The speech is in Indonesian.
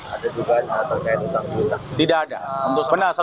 ada juga yang terkait dengan pelaku